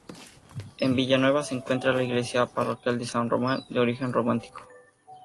En Villanueva se encuentra la iglesia parroquial de San Román, de origen románico.